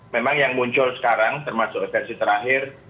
memang yang muncul sekarang termasuk versi terakhir